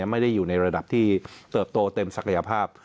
ไม่ได้อยู่ในระดับที่เติบโตเต็มศักยภาพ